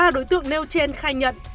ba đối tượng nêu trên khai nhận